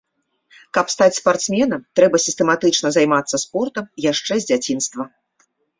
Каб стаць спартсменам, трэба сістэматычна займацца спортам яшчэ з дзяцінства.